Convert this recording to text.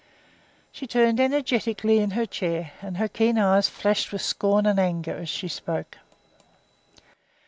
She turned energetically in her chair, and her keen eyes flashed with scorn and anger as she spoke.